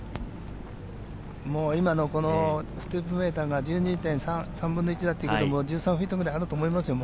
今のスティンプメーターが１２．３分の１だということだけど、１３フィートくらいあると思いますよ。